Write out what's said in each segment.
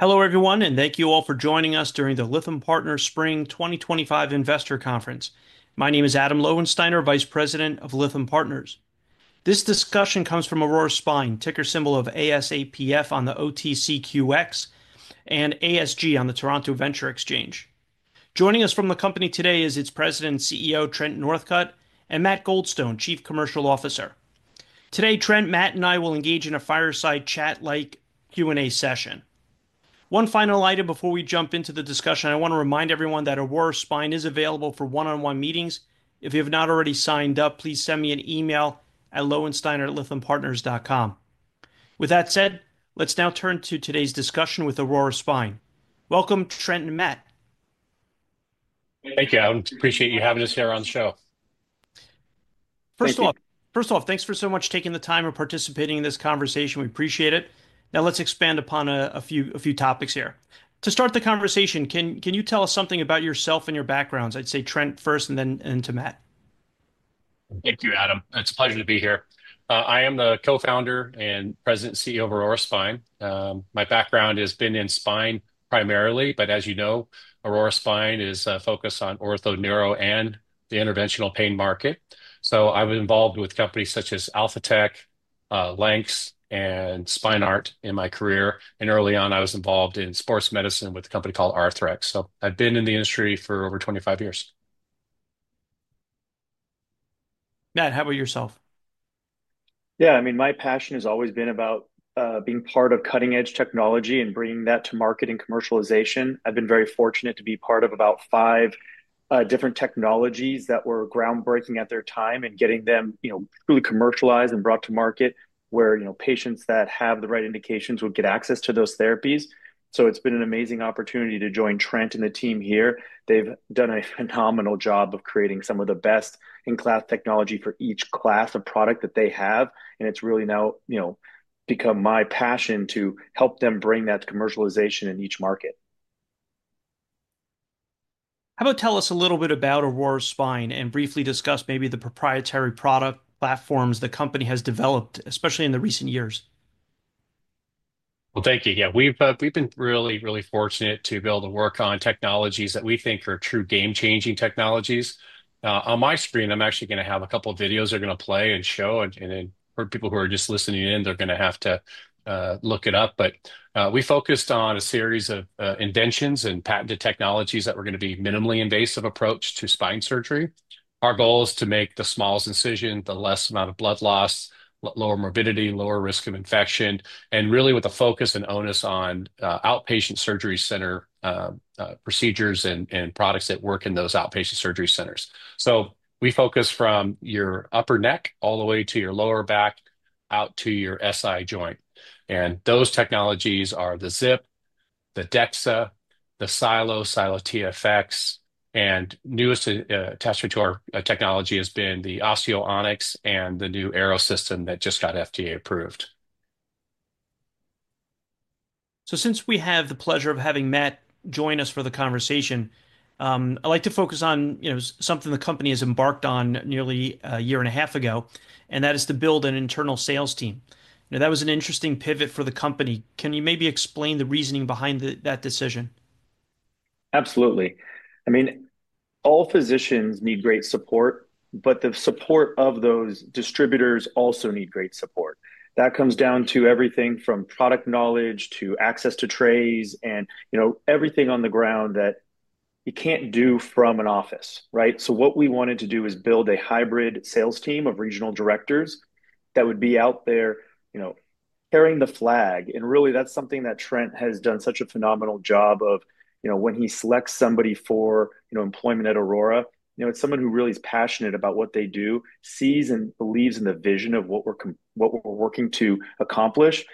Hello everyone, and thank you all for joining us during the Lytham Partners Spring 2025 Investor Conference. My name is Adam Lowensteiner, Vice President of Lytham Partners. This discussion comes from Aurora Spine, ticker symbol ASAPF on the OTCQX and ASG on the Toronto Venture Exchange. Joining us from the company today is its President and CEO, Trent Northcutt, and Matt Goldstone, Chief Commercial Officer. Today, Trent, Matt, and I will engage in a fireside chat-like Q&A session. One final item before we jump into the discussion, I want to remind everyone that Aurora Spine is available for one-on-one meetings. If you have not already signed up, please send me an email at lowensteiner@lythampartners.com. With that said, let's now turn to today's discussion with Aurora Spine. Welcome, Trent and Matt. Thank you, Adam. Appreciate you having us here on the show. First of all, thanks so much for taking the time and participating in this conversation. We appreciate it. Now let's expand upon a few topics here. To start the conversation, can you tell us something about yourself and your backgrounds? I'd say Trent first and then to Matt. Thank you, Adam. It's a pleasure to be here. I am the Co-founder and President and CEO of Aurora Spine. My background has been in spine primarily, but as you know, Aurora Spine is focused on ortho-neuro and the interventional pain market. I was involved with companies such as AlphaTech, Lynx, and Spineart in my career. Early on, I was involved in sports medicine with a company called Arthrex. I've been in the industry for over 25 years. Matt, how about yourself? Yeah, I mean, my passion has always been about being part of cutting-edge technology and bringing that to market and commercialization. I've been very fortunate to be part of about five different technologies that were groundbreaking at their time and getting them truly commercialized and brought to market where, you know, patients that have the right indications would get access to those therapies. It has been an amazing opportunity to join Trent and the team here. They've done a phenomenal job of creating some of the best in-class technology for each class of product that they have. It's really now, you know, become my passion to help them bring that commercialization in each market. How about tell us a little bit about Aurora Spine and briefly discuss maybe the proprietary product platforms the company has developed, especially in the recent years? Thank you. Yeah, we've been really, really fortunate to be able to work on technologies that we think are true game-changing technologies. On my screen, I'm actually going to have a couple of videos that are going to play and show. For people who are just listening in, they're going to have to look it up. We focused on a series of inventions and patented technologies that were going to be minimally invasive approach to spine surgery. Our goal is to make the smallest incision, the less amount of blood loss, lower morbidity, lower risk of infection, and really with a focus and onus on outpatient surgery center procedures and products that work in those outpatient surgery centers. We focus from your upper neck all the way to your lower back out to your SI joint. Those technologies are the ZIP, the DEXA, the Silo, Silo TFX, and newest attachment to our technology has been the Osteo Onyx and the new AERO system that just got FDA approved. Since we have the pleasure of having Matt join us for the conversation, I'd like to focus on something the company has embarked on nearly a year and a half ago, and that is to build an internal sales team. That was an interesting pivot for the company. Can you maybe explain the reasoning behind that decision? Absolutely. I mean, all physicians need great support, but the support of those distributors also need great support. That comes down to everything from product knowledge to access to trays and everything on the ground that you can't do from an office, right? What we wanted to do is build a hybrid sales team of regional directors that would be out there carrying the flag. Really, that's something that Trent has done such a phenomenal job of. When he selects somebody for employment at Aurora Spine, it's someone who really is passionate about what they do, sees and believes in the vision of what we're working to accomplish.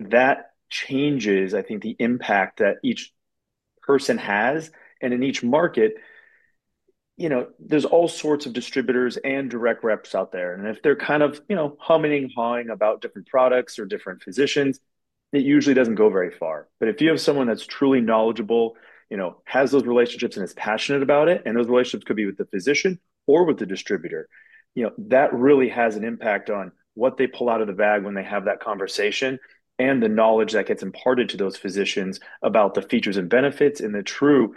That changes, I think, the impact that each person has. In each market, there's all sorts of distributors and direct reps out there. If they're kind of humming and hawing about different products or different physicians, it usually doesn't go very far. If you have someone that's truly knowledgeable, has those relationships and is passionate about it, and those relationships could be with the physician or with the distributor, that really has an impact on what they pull out of the bag when they have that conversation and the knowledge that gets imparted to those physicians about the features and benefits and the true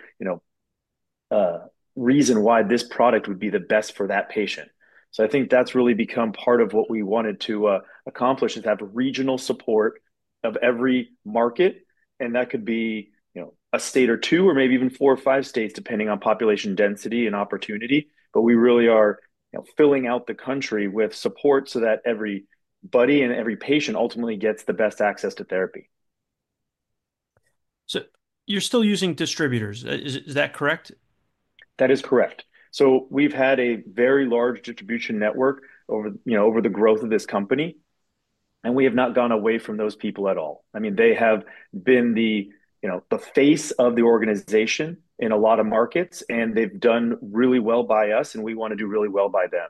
reason why this product would be the best for that patient. I think that's really become part of what we wanted to accomplish, to have regional support of every market. That could be a state or two or maybe even four or five states depending on population density and opportunity. We really are filling out the country with support so that everybody and every patient ultimately gets the best access to therapy. You're still using distributors. Is that correct? That is correct. We have had a very large distribution network over the growth of this company. We have not gone away from those people at all. I mean, they have been the face of the organization in a lot of markets, and they have done really well by us, and we want to do really well by them.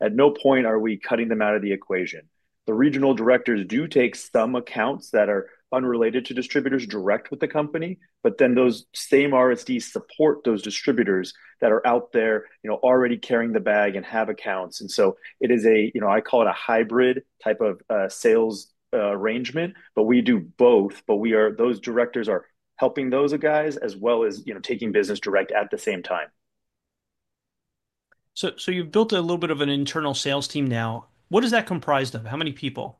At no point are we cutting them out of the equation. The regional directors do take some accounts that are unrelated to distributors direct with the company, but then those same RSDs support those distributors that are out there already carrying the bag and have accounts. It is a, I call it a hybrid type of sales arrangement, but we do both. Those directors are helping those guys as well as taking business direct at the same time. So you've built a little bit of an internal sales team now. What is that comprised of? How many people?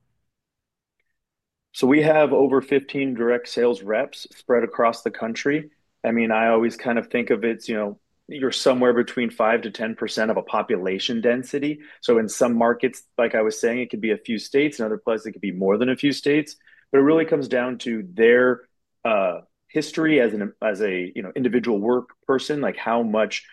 We have over 15 direct sales reps spread across the country. I mean, I always kind of think of it, you know, you're somewhere between 5%-10% of a population density. In some markets, like I was saying, it could be a few states. In other places, it could be more than a few states. It really comes down to their history as an individual work person, like how much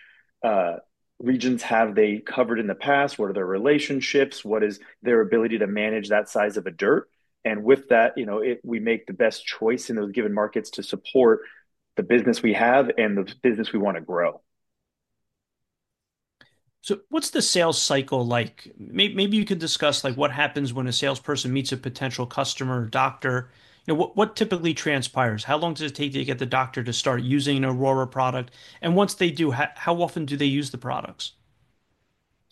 regions have they covered in the past, what are their relationships, what is their ability to manage that size of a dirt. With that, we make the best choice in those given markets to support the business we have and the business we want to grow. What's the sales cycle like? Maybe you could discuss what happens when a salesperson meets a potential customer or doctor. What typically transpires? How long does it take to get the doctor to start using an Aurora product? Once they do, how often do they use the products?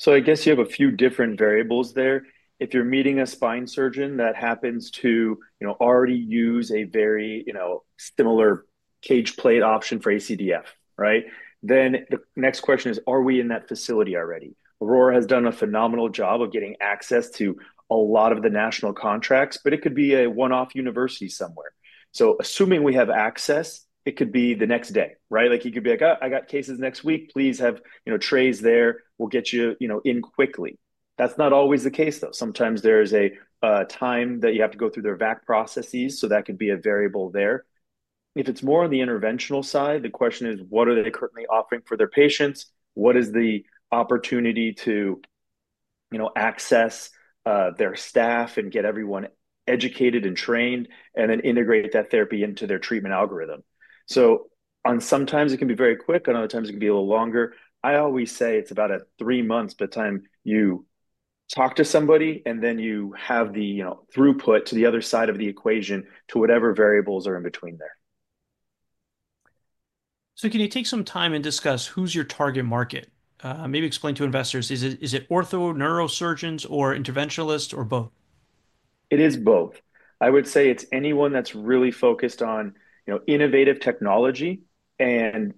I guess you have a few different variables there. If you're meeting a spine surgeon that happens to already use a very similar cage plate option for ACDF, right? The next question is, are we in that facility already? Aurora has done a phenomenal job of getting access to a lot of the national contracts, but it could be a one-off university somewhere. Assuming we have access, it could be the next day, right? Like you could be like, "Oh, I got cases next week. Please have trays there. We'll get you in quickly." That's not always the case, though. Sometimes there is a time that you have to go through their VAC processes. That could be a variable there. If it's more on the interventional side, the question is, what are they currently offering for their patients? What is the opportunity to access their staff and get everyone educated and trained and then integrate that therapy into their treatment algorithm? Sometimes it can be very quick, and other times it can be a little longer. I always say it's about three months by the time you talk to somebody and then you have the throughput to the other side of the equation to whatever variables are in between there. Can you take some time and discuss who's your target market? Maybe explain to investors, is it ortho-neurosurgeons or interventionalists or both? It is both. I would say it's anyone that's really focused on innovative technology. And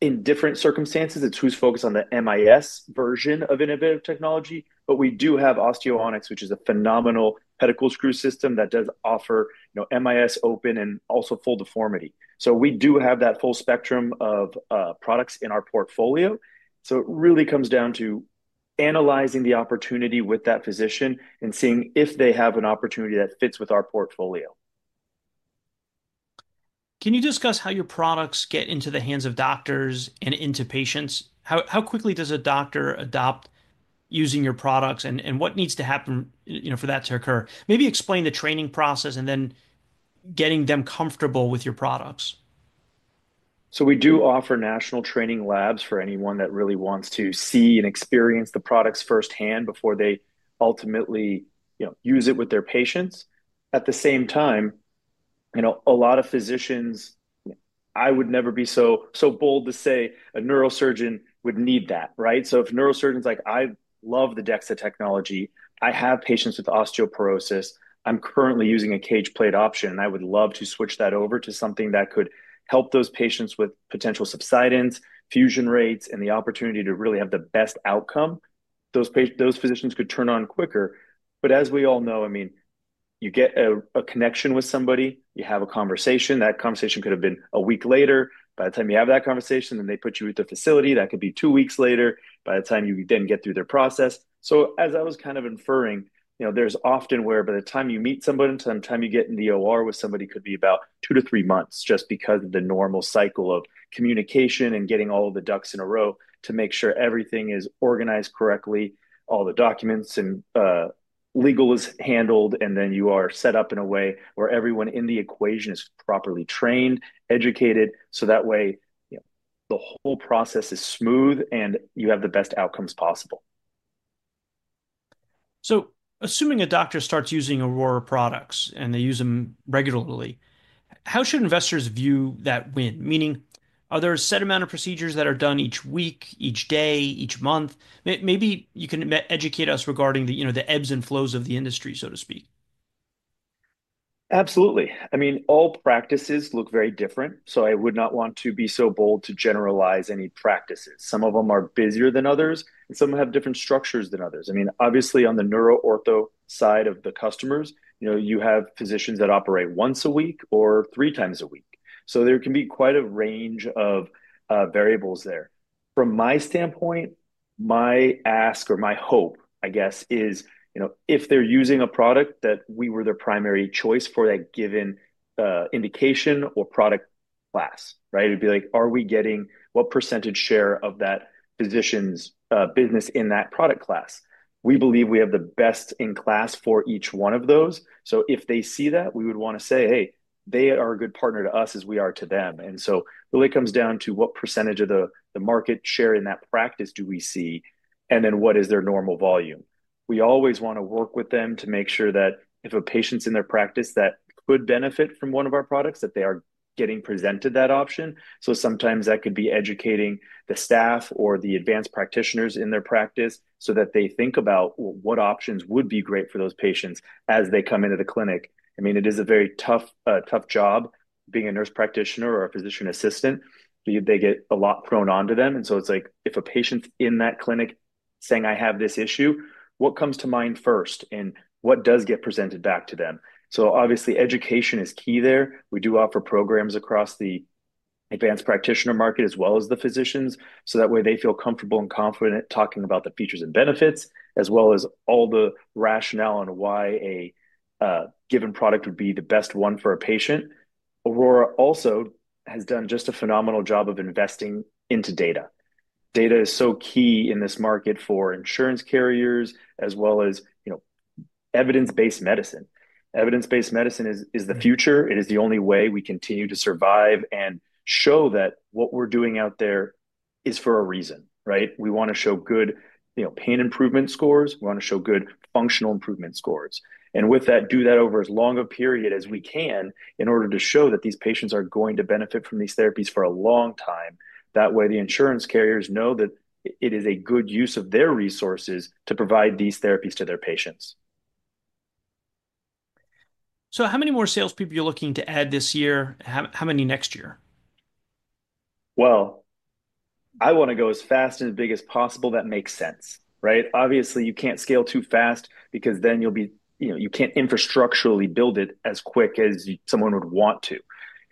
in different circumstances, it's who's focused on the MIS version of innovative technology. But we do have OsteoOnyx, which is a phenomenal pedicle screw system that does offer MIS, open, and also full deformity. So we do have that full spectrum of products in our portfolio. It really comes down to analyzing the opportunity with that physician and seeing if they have an opportunity that fits with our portfolio. Can you discuss how your products get into the hands of doctors and into patients? How quickly does a doctor adopt using your products and what needs to happen for that to occur? Maybe explain the training process and then getting them comfortable with your products. We do offer national training labs for anyone that really wants to see and experience the products firsthand before they ultimately use it with their patients. At the same time, a lot of physicians, I would never be so bold to say a neurosurgeon would need that, right? If neurosurgeons are like, "I love the DEXA technology. I have patients with osteoporosis. I'm currently using a cage plate option, and I would love to switch that over to something that could help those patients with potential subsidence, fusion rates, and the opportunity to really have the best outcome," those physicians could turn on quicker. As we all know, I mean, you get a connection with somebody, you have a conversation. That conversation could have been a week later. By the time you have that conversation, then they put you at the facility. That could be two weeks later by the time you then get through their process. As I was kind of inferring, there's often where by the time you meet somebody, sometime you get in the OR with somebody could be about two to three months just because of the normal cycle of communication and getting all of the ducks in a row to make sure everything is organized correctly, all the documents and legal is handled, and then you are set up in a way where everyone in the equation is properly trained, educated. That way, the whole process is smooth and you have the best outcomes possible. Assuming a doctor starts using Aurora products and they use them regularly, how should investors view that win? Meaning, are there a set amount of procedures that are done each week, each day, each month? Maybe you can educate us regarding the ebbs and flows of the industry, so to speak. Absolutely. I mean, all practices look very different. I would not want to be so bold to generalize any practices. Some of them are busier than others, and some have different structures than others. I mean, obviously on the neuro-ortho side of the customers, you have physicians that operate once a week or three times a week. There can be quite a range of variables there. From my standpoint, my ask or my hope, I guess, is if they're using a product that we were their primary choice for that given indication or product class, right? It'd be like, "Are we getting what percentage share of that physician's business in that product class?" We believe we have the best in class for each one of those. If they see that, we would want to say, "Hey, they are a good partner to us as we are to them." It really comes down to what percentage of the market share in that practice do we see? And then what is their normal volume? We always want to work with them to make sure that if a patient's in their practice that could benefit from one of our products, that they are getting presented that option. Sometimes that could be educating the staff or the advanced practitioners in their practice so that they think about what options would be great for those patients as they come into the clinic. I mean, it is a very tough job being a nurse practitioner or a physician assistant. They get a lot thrown onto them. If a patient's in that clinic saying, "I have this issue," what comes to mind first and what does get presented back to them? Obviously education is key there. We do offer programs across the advanced practitioner market as well as the physicians. That way they feel comfortable and confident talking about the features and benefits as well as all the rationale on why a given product would be the best one for a patient. Aurora has also done just a phenomenal job of investing into data. Data is so key in this market for insurance carriers as well as evidence-based medicine. Evidence-based medicine is the future. It is the only way we continue to survive and show that what we're doing out there is for a reason, right? We want to show good pain improvement scores. We want to show good functional improvement scores. With that, do that over as long a period as we can in order to show that these patients are going to benefit from these therapies for a long time. That way the insurance carriers know that it is a good use of their resources to provide these therapies to their patients. How many more salespeople are you looking to add this year? How many next year? I want to go as fast and as big as possible. That makes sense, right? Obviously, you can't scale too fast because then you can't infrastructurally build it as quick as someone would want to.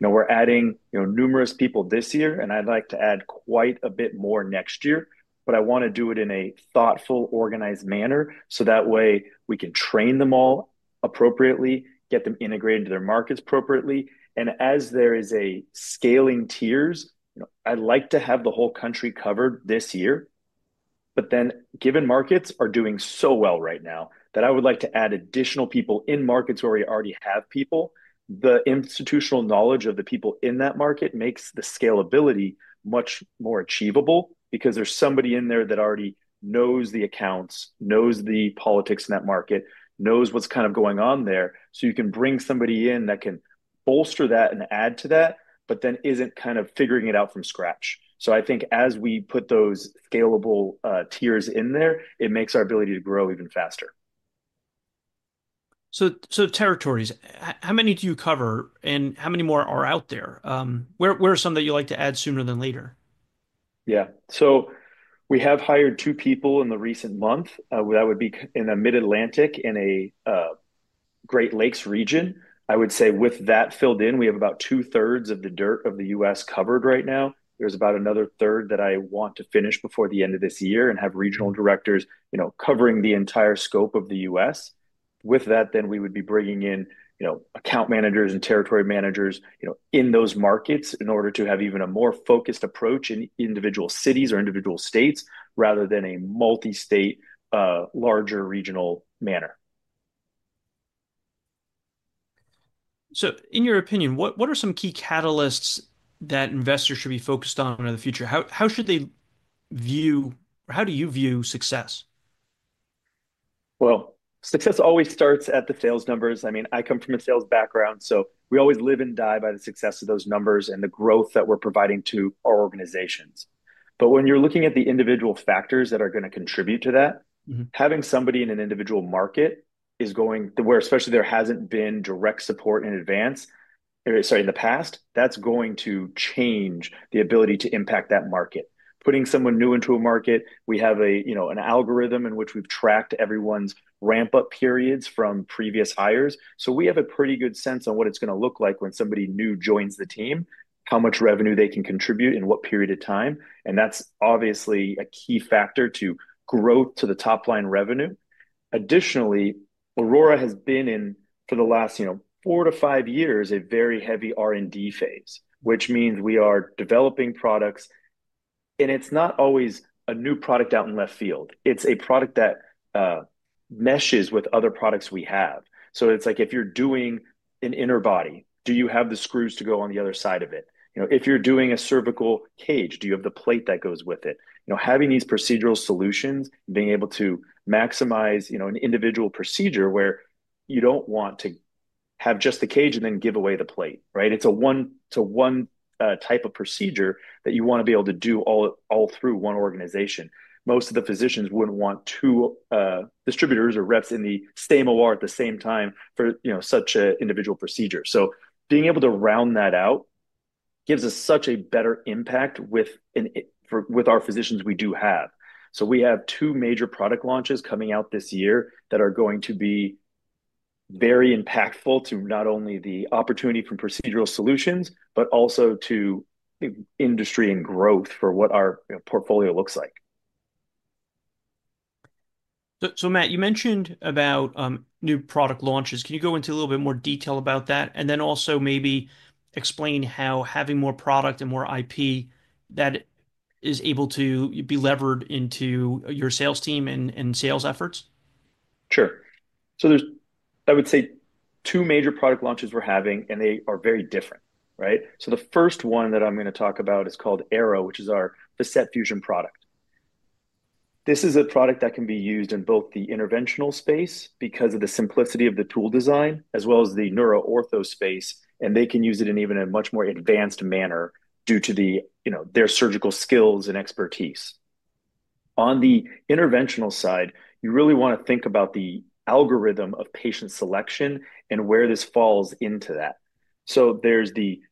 We're adding numerous people this year, and I'd like to add quite a bit more next year, but I want to do it in a thoughtful, organized manner so that way we can train them all appropriately, get them integrated into their markets appropriately. As there is a scaling tiers, I'd like to have the whole country covered this year. Given markets are doing so well right now that I would like to add additional people in markets where we already have people, the institutional knowledge of the people in that market makes the scalability much more achievable because there is somebody in there that already knows the accounts, knows the politics in that market, knows what is kind of going on there. You can bring somebody in that can bolster that and add to that, but then is not kind of figuring it out from scratch. I think as we put those scalable tiers in there, it makes our ability to grow even faster. Territories, how many do you cover and how many more are out there? Where are some that you like to add sooner than later? Yeah. So we have hired two people in the recent month. That would be in the Mid-Atlantic and a Great Lakes region. I would say with that filled in, we have about two-thirds of the dirt of the U.S. covered right now. There's about another third that I want to finish before the end of this year and have regional directors covering the entire scope of the U.S. With that, then we would be bringing in account managers and territory managers in those markets in order to have even a more focused approach in individual cities or individual states rather than a multi-state, larger regional manner. In your opinion, what are some key catalysts that investors should be focused on in the future? How should they view or how do you view success? Success always starts at the sales numbers. I mean, I come from a sales background, so we always live and die by the success of those numbers and the growth that we're providing to our organizations. When you're looking at the individual factors that are going to contribute to that, having somebody in an individual market is going to, where especially there hasn't been direct support in the past, that's going to change the ability to impact that market. Putting someone new into a market, we have an algorithm in which we've tracked everyone's ramp-up periods from previous hires. We have a pretty good sense on what it's going to look like when somebody new joins the team, how much revenue they can contribute in what period of time. That's obviously a key factor to growth to the top line revenue. Additionally, Aurora has been in for the last four to five years a very heavy R&D phase, which means we are developing products. It's not always a new product out in left field. It's a product that meshes with other products we have. It's like if you're doing an interbody, do you have the screws to go on the other side of it? If you're doing a cervical cage, do you have the plate that goes with it? Having these procedural solutions, being able to maximize an individual procedure where you don't want to have just the cage and then give away the plate, right? It's a one-to-one type of procedure that you want to be able to do all through one organization. Most of the physicians wouldn't want two distributors or reps in the same OR at the same time for such an individual procedure. Being able to round that out gives us such a better impact with our physicians we do have. We have two major product launches coming out this year that are going to be very impactful to not only the opportunity from procedural solutions, but also to industry and growth for what our portfolio looks like. Matt, you mentioned about new product launches. Can you go into a little bit more detail about that? Also, maybe explain how having more product and more IP that is able to be levered into your sales team and sales efforts? Sure. There's, I would say, two major product launches we're having, and they are very different, right? The first one that I'm going to talk about is called AERO, which is our facet fusion product. This is a product that can be used in both the interventional space because of the simplicity of the tool design as well as the neuro ortho space, and they can use it in even a much more advanced manner due to their surgical skills and expertise. On the interventional side, you really want to think about the algorithm of patient selection and where this falls into that. There's the,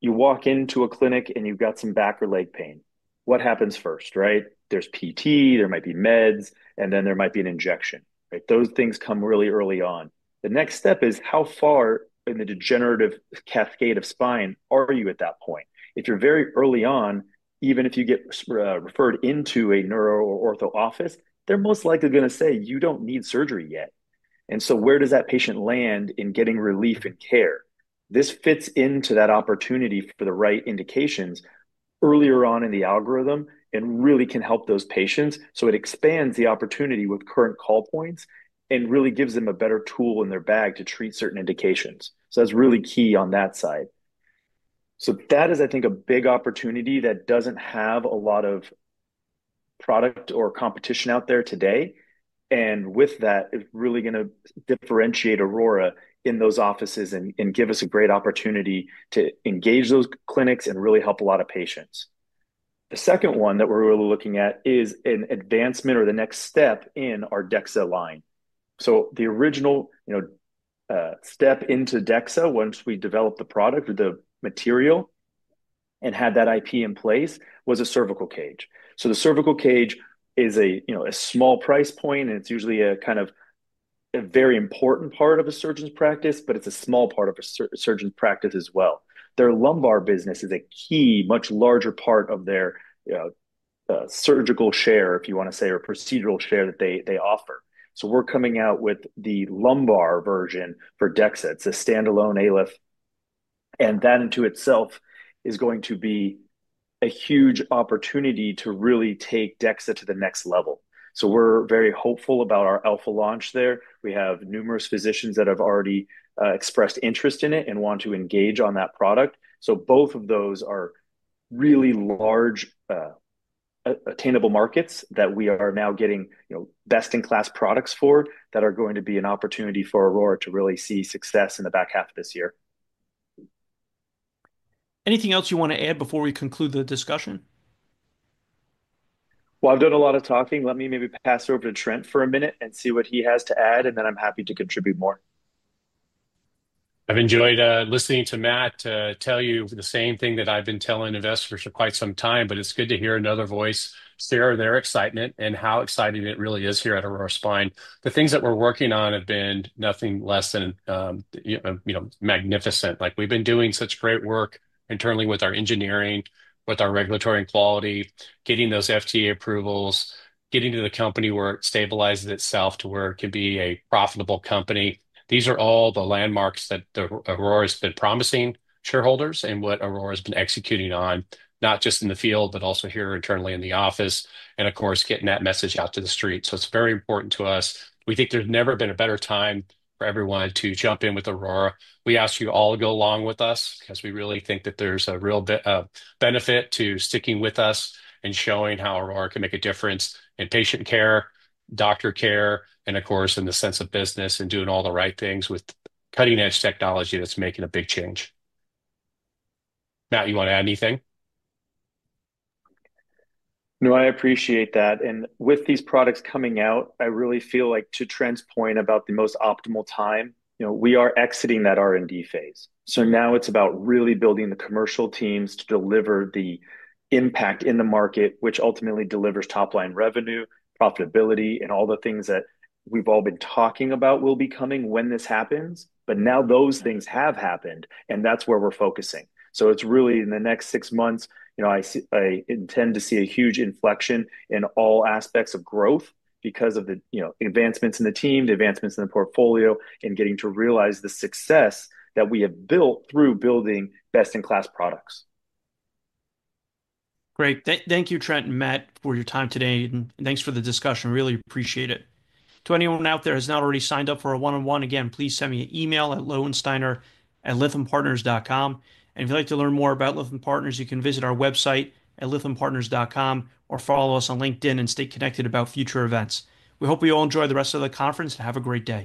you walk into a clinic and you've got some back or leg pain. What happens first, right? There's PT, there might be meds, and then there might be an injection, right? Those things come really early on. The next step is how far in the degenerative cascade of spine are you at that point? If you're very early on, even if you get referred into a neuro or ortho office, they're most likely going to say, "You don't need surgery yet." Where does that patient land in getting relief and care? This fits into that opportunity for the right indications earlier on in the algorithm and really can help those patients. It expands the opportunity with current call points and really gives them a better tool in their bag to treat certain indications. That's really key on that side. That is, I think, a big opportunity that doesn't have a lot of product or competition out there today. With that, it's really going to differentiate Aurora in those offices and give us a great opportunity to engage those clinics and really help a lot of patients. The second one that we're really looking at is an advancement or the next step in our DEXA line. The original step into DEXA once we developed the product or the material and had that IP in place was a cervical cage. The cervical cage is a small price point, and it's usually a kind of a very important part of a surgeon's practice, but it's a small part of a surgeon's practice as well. Their lumbar business is a key, much larger part of their surgical share, if you want to say, or procedural share that they offer. We're coming out with the lumbar version for DEXA. It's a standalone ALIF. That in itself is going to be a huge opportunity to really take DEXA to the next level. We are very hopeful about our Alpha launch there. We have numerous physicians that have already expressed interest in it and want to engage on that product. Both of those are really large attainable markets that we are now getting best-in-class products for that are going to be an opportunity for Aurora to really see success in the back half of this year. Anything else you want to add before we conclude the discussion? I've done a lot of talking. Let me maybe pass it over to Trent for a minute and see what he has to add, and then I'm happy to contribute more. I've enjoyed listening to Matt tell you the same thing that I've been telling investors for quite some time, but it's good to hear another voice share their excitement and how exciting it really is here at Aurora Spine. The things that we're working on have been nothing less than magnificent. We've been doing such great work internally with our engineering, with our regulatory and quality, getting those FDA approvals, getting to the company where it stabilizes itself to where it can be a profitable company. These are all the landmarks that Aurora has been promising shareholders and what Aurora has been executing on, not just in the field, but also here internally in the office, and of course, getting that message out to the street. It is very important to us. We think there's never been a better time for everyone to jump in with Aurora. We ask you all to go along with us because we really think that there's a real benefit to sticking with us and showing how Aurora can make a difference in patient care, doctor care, and of course, in the sense of business and doing all the right things with cutting-edge technology that's making a big change. Matt, you want to add anything? No, I appreciate that. With these products coming out, I really feel like to Trent's point about the most optimal time, we are exiting that R&D phase. Now it is about really building the commercial teams to deliver the impact in the market, which ultimately delivers top-line revenue, profitability, and all the things that we have all been talking about will be coming when this happens. Now those things have happened, and that is where we are focusing. It is really in the next six months, I intend to see a huge inflection in all aspects of growth because of the advancements in the team, the advancements in the portfolio, and getting to realize the success that we have built through building best-in-class products. Great. Thank you, Trent and Matt, for your time today. Thank you for the discussion. Really appreciate it. To anyone out there who has not already signed up for a one-on-one, again, please send me an email at lowensteiner@lythampartners.com. If you'd like to learn more about Lytham Partners, you can visit our website at lythampartners.com or follow us on LinkedIn and stay connected about future events. We hope you all enjoy the rest of the conference and have a great day.